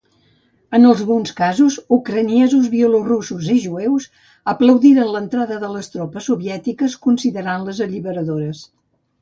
En alguns casos, ucraïnesos, bielorussos i jueus aplaudiren l'entrada de les tropes soviètiques, considerant-les alliberadores.